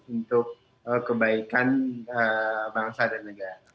untuk kebaikan bangsa dan negara